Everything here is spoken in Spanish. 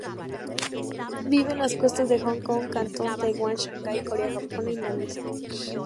Vive en las costas de Hong Kong, Cantón, Taiwán, Shanghái, Corea, Japón y Indonesia.